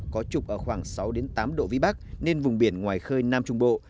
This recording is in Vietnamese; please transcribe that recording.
có trục ở khoảng sáu tám độ vĩ bắc nên vùng biển ngoài khơi nam trung bộ